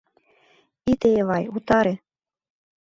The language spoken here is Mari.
Ите, Эвай, утаре!